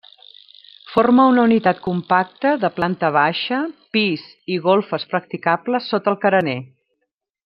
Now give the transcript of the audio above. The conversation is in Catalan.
Forma una unitat compacta de planta baixa, pis i golfes practicables sota el carener.